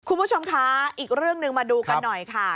คุณผู้ชมคะอีกเรื่องหนึ่งมาดูกันหน่อยค่ะ